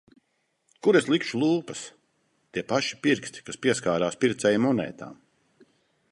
Kur es likšu lūpas, tie paši pirksti, kas pieskarās pircēju monētām...